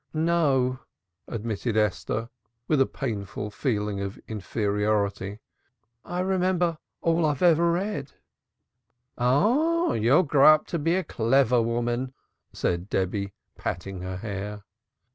"No," admitted Esther, with a painful feeling of inferiority. "I remember all I've ever read." "Ah, you will grow up a clever woman!" said Debby, patting her hair.